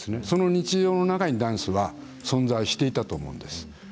その日常の中にダンスは存在していたと思うんです。